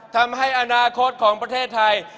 ทำให้อนาคตของประเทศไทย